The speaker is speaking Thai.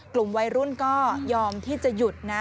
กลุ่มวัยรุ่นก็ยอมที่จะหยุดนะ